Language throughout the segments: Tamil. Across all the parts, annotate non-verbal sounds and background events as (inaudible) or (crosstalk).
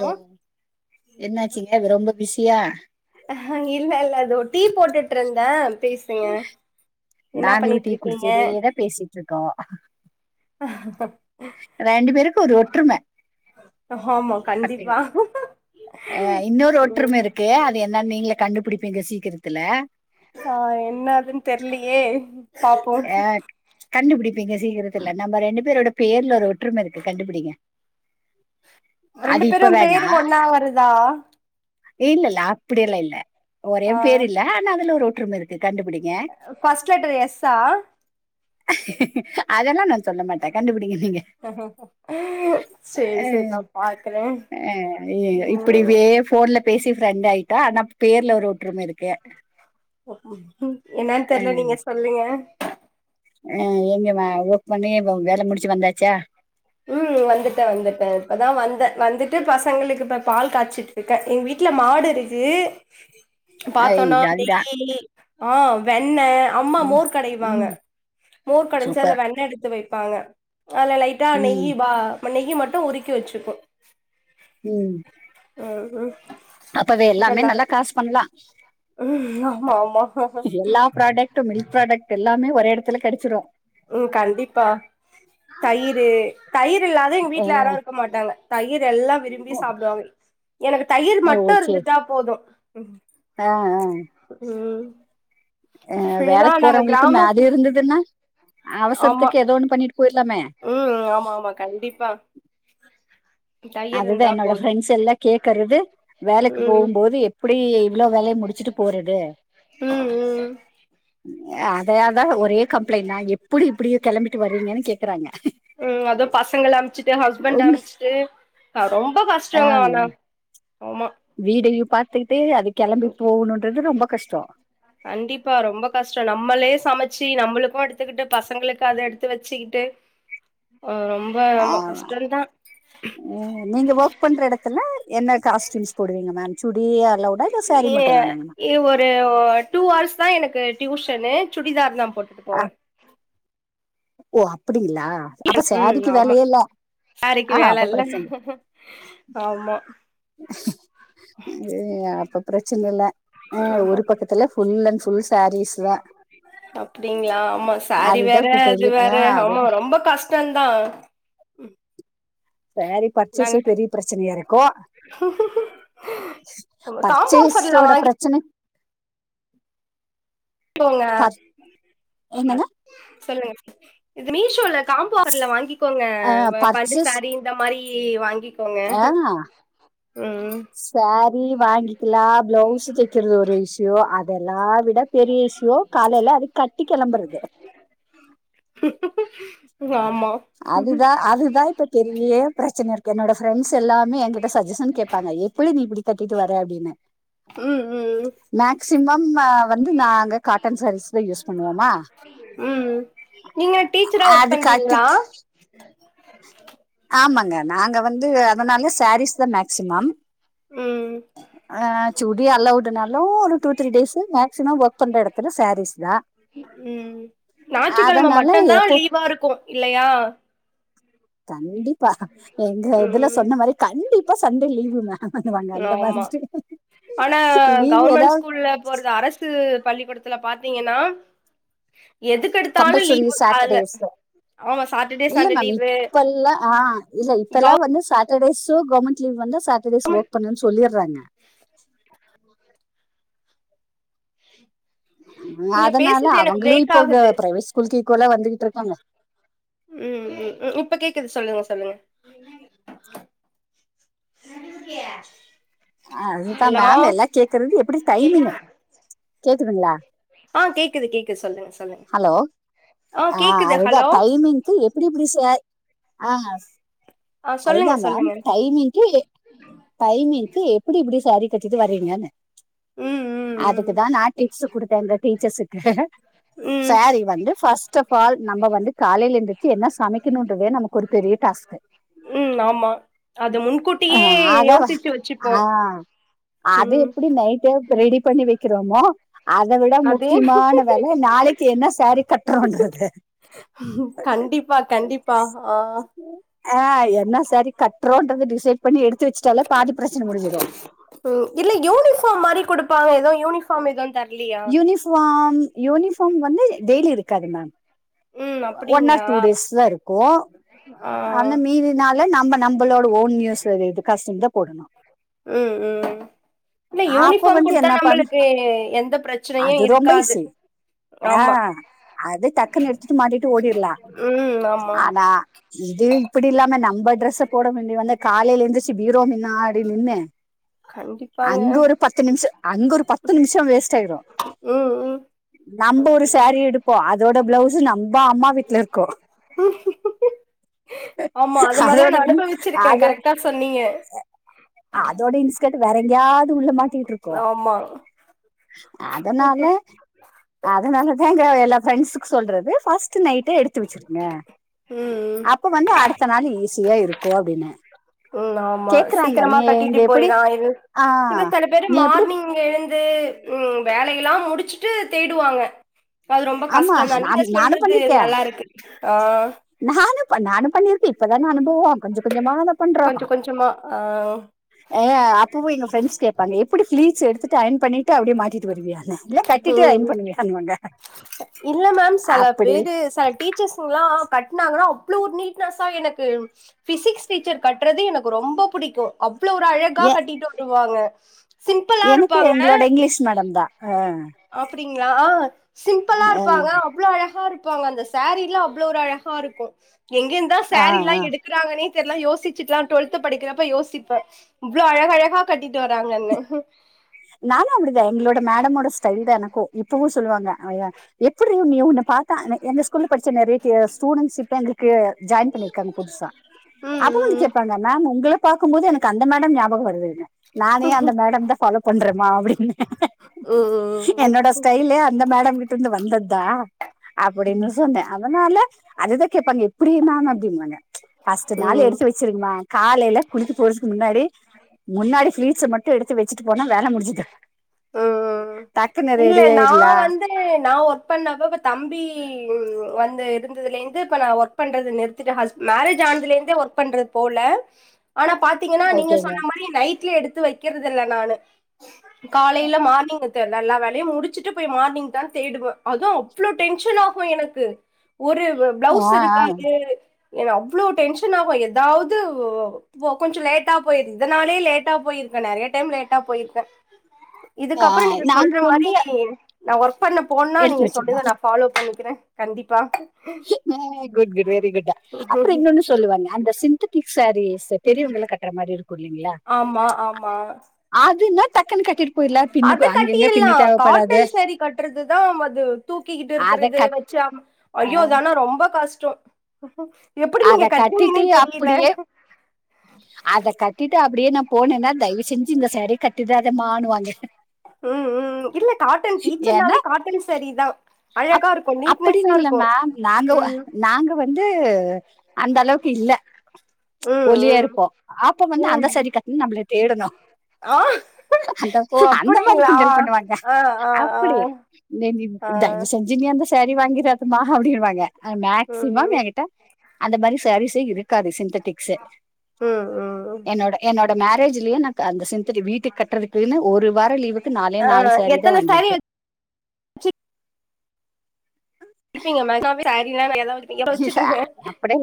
தோ ஹலோ என்னாச்சிங்க வ ரொம்ப பிசியா அ இல்லல்ல அதோ டீ போட்டுட்ருந்த பேஸ் நாங்ளு டீ இருக்கீங்க குடிச்சிட்டே தா பேசிட்ருக்கோ ரெண்டு பேருக்கு ஒரு ஒற்றும ஆமா கண்டிப்பா அயா இன்னொரு ஒற்றும இருக்கு அது என்னன் நீங்களே கண்டுபிடிப்பீங்க சீக்கிரத்துல ஆ என்னாதுன் தெர்லையே பாப்பு அ கண்டுபிடிப்பீங்க சீக்கிரத்துல நம்ம ரெண்டு பேரோட பேர்ல ஒரு ஒற்றும இருக்கு கண்டுபிடிங்க ரெண்டு அது பேரு இப்ப வேணா பேரு ஒன்னா வருதா இல்ல இல்ல அப்டி எல்லா இல்ல ஓரே ஆ பேரு இல்ல ஆனா அதுல ஒரு ஒற்றும இருக்கு கண்டுபிடிங்க ஃபஸ்ட் லெட்டர் எஸ்ஸா அதெல்லா நா சொல்ல மாட்ட கண்டுபிடிங்க நீங்க அ பாக்குற அ ஐயயோ இப்டிவே ஃபோன்ல பேசி ஃப்ரெண்ட் ஆய்ட்டா ஆனா பேர்ல ஒரு ஒற்றும இருக்கு ம் என்னன் தெர்ல நீங்க சொல்லுங்க அ எங்கம ஒர்க் பண்ணி வ வேல முடிச்சு வந்தாச்சா ம் வந்துட்ட வந்துட்ட இப்பதா வந்த வந்துட்டு பசங்களுக்கு இப்ப பால் காச்சிட்டு க்க எங் வீட்ல மாடு இருக்கு ஐ பாத்தோனா ஜாலிதா நெய்யி ஆ வெண்ண அம்மா ம் மோர் கடைவாங்க ம் மோர் கடஞ்சி அது சூப்பர் வெண்ண எடுத்து வைப்பாங்க அதுல லைட் டா ம் நெய்யி பா மா நெய்யி மட்டு உருக்கி வச்சிக்கு ம் ம் ம் அப்பவே இப்ப எல்லாமே எல்லாரு நல்லா காசு பண்ணலா ம் ஆமா ஆமா கடெட்டு மில் ப்ராடக்ட் எல்லாமே ஒரே எடத்துல கெடச்சிரு ம் கண்டிப்பா தயிரு தயிர் இல்லாத எங்க ஆ வீட்ல யாரு இருக்க மாட்டாங்க தயிர் எல்லா விரும்பி ஓ சாப்டுவாங்க எனக்கு தயிர் மட்டு இருந்துட்டா போது அ அ ம் அ ஃபுல்லா வேலைக்கு நாங்க போறவங்களுக்கு கிராம மேது இருந்ததுன்னா ஆமா அவசரத்துக்கு எதோ ஒண்ணு பண்ணிட்டு போயிர்லாமே ம் ஆமா ஆமா கண்டிப்பா தையர் அதுதா இருந்தா என்னோட போது ஃப்ரெண்ட்ஸ் எல்லா கேக்கறது வேலைக்கு ம் போம்போது எப்புடி இவ்ளோ வேலய முடிச்சுட்டு போறது ம் ம் அதயா தா ஒரே கம்ப்ளைண்ட்னா எப்புடி இப்டி கெளம்பிட்டு வர்றீங்கன்னு கேக் ம் அதா பசங்கல அம்ச்சுட்டு ஹஸ்பண்ட உங்க அம்ச்சுட்டு கா ரொம்ப கஷ் கஷ்டங்கோ ஆனா ஆமா வீடையு பாத்துக்கிட்டு அது கெளம்பி போகனுன்றது ரொம்ப கஷ்டோ கண்டிப்பா ரொம்ப கஷ்டோ நம்மளே சமச்சு நம்மளுக்கு எடுத்துக்குட்டு பசங்களுக்கு அத எடுத் த்து வச்சுக்கிட்டு அ ரொம் ஆமா நீங்க ஓஃக் பண்ற எடத்துல என்ன காஸ்டிம்ஸ் போடுவீங்க மேம் சுடி அளொவ்டா இல் ஏ எ ஒரு வ டூ ஹர்ஸ் தா எனக்கு டியூஷனு சுடிதார் தா போட் த்து போவ ஆ ஓ அப்டிங்ளா ம் ஆமா சேரிக்கு ஆ வேல அப்ப இல்ல பிரச்சன ஆமா ஏ அப்ப ப்ரச்சுன இல்ல அ ஆமா ஒரு பக்கத்துல ஃபுல் அண்ட் சொல்ஸ் அப்டிங்களா ஆமா சாரி அதுதா வேற இப்ப பெரிய அது ஆ வேற ஆமா அதுதா ரொம்ப கஷ் ட்டந்தா சாரி நாங்க பர்ச்சேஸே பெரிய ப்ரச்சனையா இருக்கு காம்போ ஆஃபர்ல பர்ச்சேஸ்சோட ப்ரச்சனை போங்க பர் என்னங்க சொல்லுங்க ஸ் இது மீஷோல காம்போர்ல வாங்கிக்கோங்க ஆ வ பட்டு சாரி இந்த மாரி வாங்கிக் அ ஆ சாரி வாங்கிக்கலா ஃப்ளவுஸு தைக்கிறது ஒரு இஷ்யூ அதெல்லா விட பெரிய இஷ்யூ காலையில அது கட்டி கெளம்புறது வாம்மா அதுதா அதுதா இப்ப பெரிய ப்ரச்சனையாருக் என்னோட ஃரெண்ட்ஸ் எல்லாமே எங்கிட்ட சஜஷன் கேப்பாங்க எப்புடி நீ இப்புடி கட்டிட்டு வர அப்டின்னு ம் ம் ம் மேக்சிமம் நா வந்து நாங்க காட்டன் சாரீஸ் தா யூஸ் பண்ணுவோமா ம் நீங்க டீச்சரா ஒர்க் அது பண்றீங்ளா கட்டிட் ஆமாங்க நாங்க வந்து அதுனால சாரீஸ் தா மேக்சிமம் ம் ஆ சுடி அலவுட்டுனாலு ஒரு two three days maximum work பண்ற எடத்துல சேரீஸ் தா ம் ஞாயிற்றுக்கிழம அதனால மட்டுதா எப்போ லீவா இருக்கு இல்லையா கண்டிப்பா எங்க இதுல ம் சொன்ன மாரி கண்டிப்பா சண்டே லீவுங்க ஆமா ஆனா லீவ் கவர்மெண்ட் ஏதாவது ஸ்கூல்ல போறது அரசு த்து பள்ளிக்கூடத்தில்ல பாத்தீங்கன்னா எதுக்கு கம்பல் செரி சாட்டர்டேஸு ஆமா சாட்டர்டே இல்ல சண்டே மேம் லீவு இப்பல்லா ஆ ஆ இல்ல இப்பெல்லா கவ் வந்து சா சட்டர்டேஸு கவர்மெண்ட் லீவ் வந்தா சாட்டர்டேஸ் ஓஃக் பண்ணுன் சொல்லியற்றாங்க ம் அதனால அவங்களு பிரேக் இப்போ க ஆகுது ப்ரைவேட் ஸ்கூல்க்கு ஈக்வலா வந்துகிட்ருக்காங்க ம் உ ம் இப்ப கேக்குது சொல்லுங்க சொல்லுங்க அதுதா ஹலோ மேம் எல்லா கேக்குறது எப்பிடி டைமிங்க கேக்குதுங்லா ஆ கேக்குது கேக்குது சொல்லுங்க சொல்லுங்க ஹலோ ஆ கேக்குது அதுதா ஹலோ டைமிங் து எப்பிடி புதுசே ஆஸ் ஆ அதுதா சொல்லுங்க மேம் சொல்லுங்க டைமிங்க்கி டைமிங்க்கு எப்படி இப்படி சாரி கட்டிட்டு வறீங்கன்னு ம் ம் அதுக்குதா ம் நா டிப்ஸு குடுத்தேன்ற டீச்சஸுக்கு ம் சாரி வந்து ஃபஸ்ட் ஆஃப் ஆல் நம்ப வந்து காலைலேந்து ச்சி என்ன சமைக்கணுன்றதே நமக்கு ஒரு பெரிய டாஸ்க்கு உம் ஆமா அது முன்கூட் அ ஆதாவஹ் ஆ அது ம் எப்படி நைட்டே ரெடி பண்ணி வை க்கிறோமோ அத விட அது முக்கியமான வேல நாளைக்கு என்ன சேரீ கட்டுறோன்றது கண்டிப்பா கண்டிப்பா ஆ ஆ என்ன சாரி கட்றோன்றது டிசைட் பண்ணி எடுத்து வச்சுட்டாலே பாதி ப்ரச்சன முடிஞ்சிடு உ இல்ல யூனிஃபாம் மாரி குடுப்பாங்க எதோ யூனிஃபாம் எதுன் தர்லியா க்வாம் யூனிஃபாம் வந்து டெய்லி இருக்காது மேம் ம் ஒ ஒன் ஆர் அப்டிங்ளா டூ டேஸ் தா இருக்கு ஆ அந்ந மீதினாலே நாம நம்ப் ங்களோட ஓன் நியூஸ் இது இது கசின்தா போடணு ம் ம் இல்ல அப்ப யூனிஃபாம் வந்து குடுத்தா என்ன பண்ண நம்மளுக்கே எந்த ப்ரச்சனையு அது ரொம்ப இருக்காது ஈஸி ஆ ஆமா அது டக்குன் எட் ட்டு மாட்டிட்டு ஓடிர்லா ம் ஆமா ஆனா இது இப்படி இல்லாமே நம்ப ட்ரெஸ்ஸப் போடமேண்டி வந்நு காலைல எந்திச்சி பீரோ மின்னாடி நின்னு கண்டிப்பாங்க அங்க ஒரு பத் த்து நிம்ஷு அங் ஒரு பத் த்து நிம்ஷோ வேஸ்ட் ஆய்டு ம் ம் நம்ப் ஒரு சாரி எடுப்போ அதோட ப்ளவ்ஸ் அம்பா அம்மா வீட்ல இருக்கோ ஆமா அது மாரிலா அதோட நா அனுபவிச்சிருக்கே கரெக்டா சொன்னீய அ அதோட இன்ஸ்கட் வேற எங்கயாவது உள்ள மாட்டிட்ரு கோ ஆமா அதனால அதனால தாங்க எல்லா ஃப்ரெண்ஸ்க் சொல்றது ஃபஸ்ட்டு நைட்டே எடுத்து வச்சிருங்க ம் அப்ப வந்து அடுத்த நாள் ஈஸியா இருக்கு அப்டின்ன ம் ஆமா சீக்ரமா கட்டிட்டு எப்படி போய்ரா இரு ஆ இது தன பேரு நீ எப்படி மார்னிங் இங்க எழுந்து உம் வேலையெல்லா முடிச்சுட்டு தேடுவாங்க அது ரொம்ப ஆமா கஷ்டொன் தான் நீங்க நான் நானும் சொல்றது நல்லாருக்கு ஆ நானேப்பா நானு பண்ணிர்க்கு இப்பதான அனுபவோ கொஞ்ச கொஞ்சமாதா பண்றோ கொஞ்ச அ கொஞ்சமா ஆ ஏ அப்புவு எங்க ஃப்ரெண்ஸ் கேப்பாங்க எப்படி ஃப்ளீட்ஸ் எடுத்துட்டு அயன் பண்ணிட்டு அப்டியே மாட்டிட்டு வருவியான்னு இல்ல கட்டிட்டு உம் அயன் பண்ணுவியான்னுவாங்க அ இல்ல மேம் செல அப்படி பேரு செலக் டீச்சஸ்ஸுங்லா கட்னாங்கனாவ் வ்ளோ ஒரு நீட்னஸ்ஸா எனக்கு ஃபிசிக்ஸ் டீச்சர் கட்றது எனக்கு ரொம்ப புடிக்கு அவ்ளோ ஒரு அழகா ஏ கட்டிட்டு வருவாங்க சிம்பிளா எனக்கு இருப்பாங்க எங்ளோட இங்லீஷ் மேடம் தா ஆ அப்டிங்ளா ஆ சிம்பளா ஆ, இருப்பாங்க அவ்ளோ அழகாரு ப்பாங்க அந்த சரீல்லா அவ்ளோ ஒரு அழகா இருக்கு எங்கிந்தா ஆ, சரில்லா ஆ. எடுக் க்ருகாங்கன்னே தெர்ல யோசிச்சுட்லா டொல்த்து படிக்கிறப்ப யோசிப்ப இவ்ளோ அழகழகா கட்டிட்டு வராங்கன்னு நானு அப்டிதா எங்களோட மடமோட ஸ்டைல் தா எனக்கு இப்பவு சொல்லுவாங்க ஆ ய எப்பிட்ரி உன்னிய உன்ன பாத்தா எந்த பொண்ணு படிச்ச மாரி டி ஸ்டூடெண்ட்ஸ் ஷிப்ட்ட எங்களுக்கு ஜாயீன் பண்ணிருக்காங்க புதுசா ம் அது ஒன்னு கேப்பாங்க மம் உங்கள பாக்கும்போது எனக்கு அந்த மேடம் ஞாபகோ வருதுனு நானே அந்த மேடம் தா ஃபாலோப் பண்றமா அப்டின்னு ம் ம் என்னோட ஸ்டைலே அந்த மேடம் கிட்ட இருந்து வந்தத்தா அப்படின்னு சொன்ன அதனால அதுதா கேப்பாங்க எப்படி மேம் அப்டின்ம்பாங்க ஃபஸ்ட்டு ம் நாளு ம் எடுத்து வச்சிருங்குமா காலைல குளிக்க போறதுக்கு முன்னாடி முன்னாடி பீளீட்ச்ச மட் ட்டு எடுத்து வச்சிட்டு போனா வேல முடிஞ்சது ம் டக்குன்னு இல்ல நா ரெடியாயிட்ல வந்து நா ஒர்க் பண்ணப்ப இப்ப தம்பி வந்து இருந்ததுலேந்து இப்ப நா ஒர்க் பண்றது நிறுத்திட ஹஸ் மரேஜ் ஆனதிலந்தே ஒர்க் பண்றது போல ஆனா பாத் தீங்கனா நீங்க ஓகேங்க சொன்ன மாரி நைட்ல எடுத்து வைக்கிறது இல்ல நானு காலைல மார்னிங் த நா எல்லா வேலையு முடிச்சுட்டு போய் மார்னிங் தா தேடுவ அது அவ்ளோ டென்ஷன் ஆகு எனக்கு ஒரு ப்ளவுஸ் இருக்காது அவ்ளோ டென்ஷன் ஆகு ஏதாவது போ கொஞ்சோ லேட்டா போயிரு இதனாலே லேட்டா போயிருக்க நெறைய டைம் லேட்டா போயிருக்க இதுக்கப்றோ நீங்க நாங்க சொல்ற வந்து மாரி நா ஒர்க் பண்ண போன்னா எடுத்து நீங்க சொல்லிதா வச்சிருந்தோம் நா ஃபாலோ பண்ணிக்கிற கண்டிப்பா ஆ குட் குட் வெரி குட்டா அப்றோ இன்னொன்னு சொல்லுவாங்க அந்த சிந்தட்டிக் சாரீஸ் பெரியவங்களா கட்ற மாரி இருக் ஆமா ஆமா அதுன்னா டக்குன்னு கட்டிட்டு போயிடலாம் பின்னுக்கு அது அங்கங்க பின்னு கட்டிர்லா தேவைப்படாது காட்டன் சரீ கட்டுறதா அது தூக்கி கிட்டு அத இருக்கிறது கட் வச்சா அ, ஐயோ அது ஆனா ரொம்ப கஷ்டோ எப்படி அத நீங்க கட்டிட்டு கட்றீங்கன்னே தெரியல அப்படியே அத கட்டிட்டு அப்டியே நா போனன்னா தயவு செஞ்சு இந்த சரீய கட்டிடாதமானுவாங்க ம் ம் இல்ல காட்டன் ஏன்னா டீச்சர்னாவே காட்டன் சரீதா அப் அப்படின்னு இல்ல மம் நாங்க ம் நாங்க வந்து அந்த அளவுக்கு இல்ல ஒல்லியா ம் இருப்போ அப்போ வந்து ம் அந்த ம் சரீ கட்டனு நம்பள தேடணு ஆ அந்தோ ஓ அந்த மாரி அப்படிங்களா கிண்டல் பண்ணுவாங்க ஆ ஆ ஆ அப்படி ஆ (unintelligible) ஆ. தயவு செஞ் இனி அந்த சரீ வாங்கிராதமா அப்டின்னுவாங்க மக்சிமம் ம் எகிட்ட அந்த மாரி சரீசே இருக்காது சிந்தட்டிக்சு ம் ம் என்னோட என்னோட மரேஜ்லயே நா க அந்த சிந்தடிக் வீ து கட்றக்குன்னு ஒரு வாரோ லீவுக்கு நாலே ஆ நாலு சரீதா எத்தன சாரீ வாங்கிருக்க இப்ப மேனாவே சரீ தா ஏதாவது ய அப்படி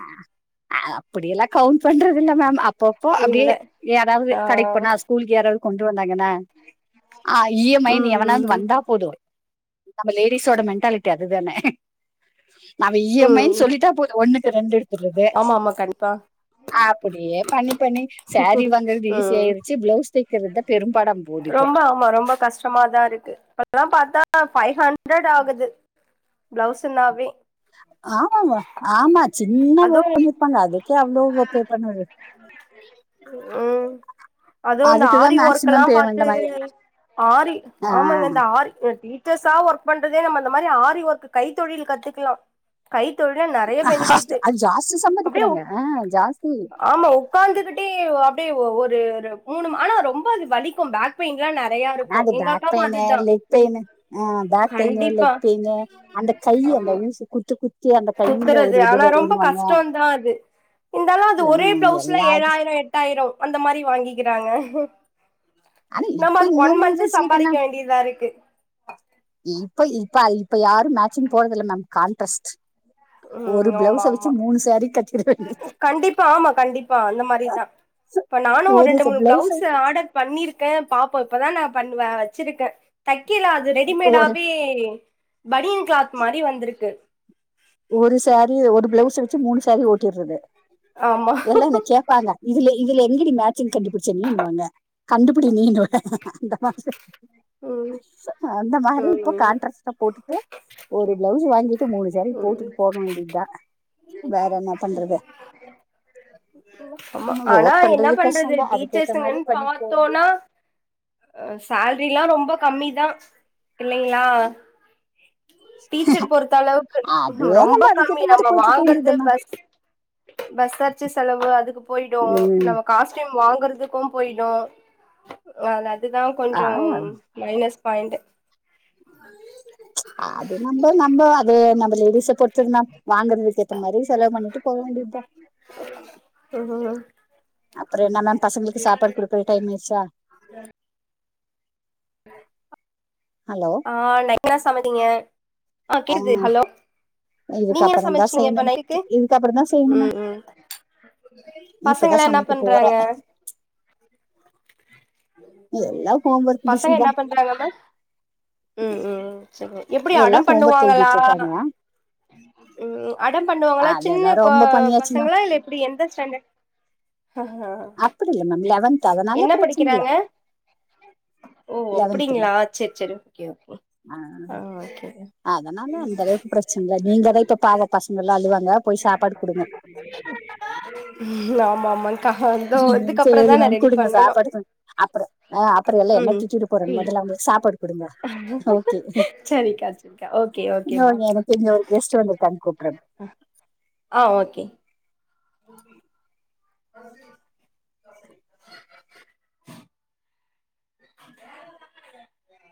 அ அ அப்படியெல்லா கவ்ண்ட் பண்றதுல்ல மம் அப்பப்போ இல்ல அப்டியே ஏதாவது ஆ கடைக்கு போனா ஸ்கூலுக்கு யாராவது கொண்டு வந்தாங்கன்னா ஆ இயமைனு ம் எவனாது ம் வந்தா போது நம்ம லேடிஸோட மெண்டாலிட்டி அதுதான நம்ம இ யம் ஐ ம் னு ம் சொல்லிட்டா போது ஒண்ணுக்கு ரெண்டு எடுத்துரது ஆமா ஆமா கண்டிப்பா அப்படியே பண்ணி பண்ணி சரீ வாங்கறது ஈஸியா ம் ஆயிரு ச ப்ளௌஸ் தைக்கிறதா பெரும்படாம் ரொம்ப ஆமா ரொம்ப கஷ்டமாதாருக் கு பல்லா பாத்தா ஃபை ஹண்ட்ரட் ஆகுது ப்ளவுஸுன்னாவே ஆமாமா ஆமா சின்ன வக் அதுவு பண்ணிர்ப்பாங்க அதுக்கே அவ்ளோ ஒ பே பண்ணுறு உம் அதுவு இந்த ஆரி அதுக்குதான் மேக்சிமம் ஒர்க்கல்லாம் பார் பேமெண்ட் தெ மாதிரி ஆரி ஆ, ஆமாங்க இந்த ஆரி எடி தெ ஸா ஒர்க் பண்றதே நம்ம அந்த மாரி ஆரி ஒர்க்கு கை தொழில் கத்துக்கலா கைத்தொழில் நிறையா பெனிஃபிட்டு் அது ஜாஸ்தி அப்டேஉவ் சம்பாதிக்கிறாங்க ஆ, ஜாஸ்தி ஆமா உக்காந்துகிட்டே யுவ் அப்டேஊ ஒருரு மூணும் ஆனா ரொம்ப அது வலிக்கும் பேக் பெயின்லா நெறையா ஆனா இருக்கு அது எங்க பேக் அக்காவு பெய்ன்னு அதுதா லெக்பெய்ன்னு ஆ பேக் பெய்ன்னு கண்டிப்பா லெக் பெயன்னே அந்த கைய அந்த ஊசி குத்து கு குத்துறது ஆனா ரொம்ப கஷ்டோன்தா அது இந்தாலு அது ஒரே ப்ளவுஸ்ல எல்லா இது ஏழாயிர எட்டாய்ரோ அந்த மாரி வாங்கிக்கிறாங்க ஆனா நம்ம இப்ப அது ஒன் இன்னொன்னு மன்த்து ஃபெசிலிட்டி சம்பாரிக்க வேண்டியதா இருக்கு ஈ இப்ப இப்பா இப்ப யாரும் மேட்சிங் போறதில்ல மேம் கான்ட்ரஸ்ட் உம் ஆமாமா கட்டிட வேண்டியது கண்டிப்பா ஆமா கண்டிப்பா அந்த மாரிதா இப்ப நானு ஒரு ரெண்டு மூணு பிளவுஸ் ப்ளவுஸ்ஸ ஆடர் பண்ணிருக்கே பாப்போ இப்பதா நா பண்ணுவ வச்சிருக்கே தக்கிலா அது ஒரு ரெடிமேடாவே பனியன் க்ளாத் மாரி வந்துருக்கு ஒரு சாரீ ஒரு ப்ளவுஸ் வச்சு மூணு சாரீ ஓட்டிடுறது ஆமா எல்லா என்ன கேப்பாங்க இதுல இதுல எங்கிடி மேச்சிங் கண்டுபுடிச்ச நீண்வாங்க கண்டுபிடி நீன்ருவே அந்த மாதி ம் அ அந்த மாரி ம் இப்ப கான்ட்ரஸ்ட்டா போட்டுட்டு ஒரு ப்ளவுஸ் வாங்கிட்டு மூணு ஜரி போட்டுட்டு போக வேண்டிய்தா வேற என்ன பண்றது ஆமா ஆனா ஒர்க் என்னா பண்றது கஷ்டம் தான் அதுக்கேத்த மாதிரி டீச்சஸ்ஸுங்குன் பண்ணிட்டு போகணும். பாத்தோனா சால்ரில்லா ரொம்ப கம்மிதா இல்லைங்களா டீச்சர் பொறுத்த அளவுக்கு அதே ரொம்ப நம்ம கம்மி அதுக்கேத்த மாதிரி நம்ம போயிட்டு இருக்க வாங்குற்து வேண்டியதுதான் பஸ் பஸ்சார்ச்சு செலவு அதுக்கு போய்டு உம் நம்ம காஸ் ச்சும் வாங்குற்துக்கும் போய்டு அன் அதுதா ஆ, கொஞ்சொம் மைனஸ் பாய்ண்ட்டு ஆ அது நம்ப நம்ப அதே நம்ப லேடிஸ் செபோட் திர்னா வாங்குற்துக்கேத்தமாறி செலவு பண்ணிட்டு போகவேண்டிதா அஅஆ அப்று என்னா மேம் பசங்களுக்கு சாப்பாடு குடுக்குற டைமெயிர்ச்சா ஆ ஹலோ ஆ நைனா சமதிங்க ஆ கேது ஹலோ இதுக்கு நீங் ஏ அப்புறம் தான் சமச்சீங்க இப்ப செய்யணும் நைக்கு இதுக்கு அப்புறம் தான் செய்யணும் உம் உம் இப்பதா பசங்கலா என்னா சமைக்க போறே பண்றாங்க எல்லா ஹோம் ஒர்க் பசங்க பிஸிதா என்ன பண்றாங்க மேம் ம் ம் சரி எப்டி எல்லா அடம் ஹோம் ஒர்க் எழுதிட்டு இருக்காங்க பண்ணுவாங்களானா உம் அடம் பண்ணுவாங்களா அதெல்லா சின்ன கொ ரொம்ப பண்ணியாச்சு மேம் பசங்களா இல்லெப் ப்டி எந்த ஸ்டாண்ட்டட் ஹஹா அப்படி இல்ல மேம் லவன்த்து அதனால ப்ரெச் கிறாங்க ஓ லெவன்த் அப்டீங்ளா மேம் சேரி சேரி ஓகே ஓகே ஆ ஓகேங்க அதனால அந்த அளவுக்கு பிரச்சன இல்ல நீங்கதா இப்ப பாவோ பசங்கெல்லா அழுவாங்க போய் சாப்பாடு குடுங்க ம் ஆமாமாங் சேரி மேம் குடுங்க சாப்பாடு அப்றோ அ அப்றோ எல்லா என்ன ம் திட்டிடற போறாங் ம் மொதல்ல அவுங்களுக்கு சாப்பாடு குடுங்க ஓகே சரிக்கா ஓகே ஓகே இன்று பாய்க்கா எனக்கு இங்க ஒரு கெஸ்ட் வந்திருக்காங்க கூப்பறங் ஆ ஓகேங் ஓகே அசின் (inaudible)